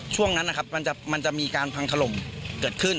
ช่วงนั้นนะครับมันจะมีการพังถล่มเกิดขึ้น